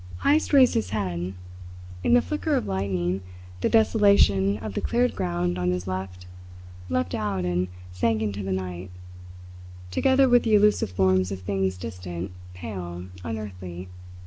Heyst raised his head. In the flicker of lightning the desolation of the cleared ground on his left leaped out and sank into the night, together with the elusive forms of things distant, pale, unearthly.